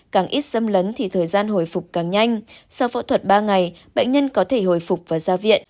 càng ít xâm lấn thì thời gian hồi phục càng nhanh sau phẫu thuật ba ngày bệnh nhân có thể hồi phục và ra viện